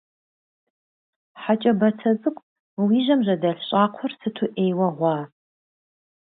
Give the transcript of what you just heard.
Хьэ кӀэ бацэ цӀыкӀу, мы уи жьэм жьэдэлъ щӀакхъуэр сыту Ӏейуэ гъуа.